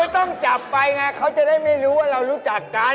ต้องจับไปน่ะก็จะมีรู้ว่าเรารู้จักกัน